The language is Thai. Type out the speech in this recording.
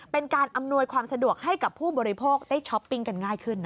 เป็นการอำนวยความสะดวกให้กับผู้บริโภคได้ช้อปปิ้งกันง่ายขึ้นนะ